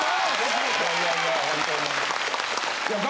いやいやいやホントに。